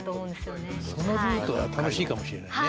そのルートは楽しいかもしれないね。